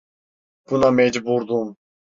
Buna mecburdum.